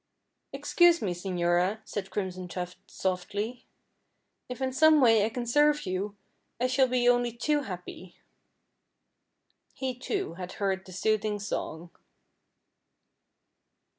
"Excuse me, señora," said Crimson Tuft, softly. "If in some way I can serve you, I shall be only too happy." He, too, had heard the soothing song.